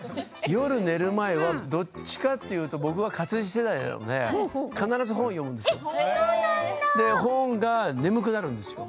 夜寝る前はどちらかというと僕は活字世代なので必ず本を読むんですよ。